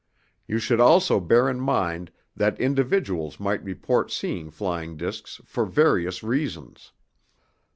You should also bear in mind that individuals might report seeing flying discs for various reasons.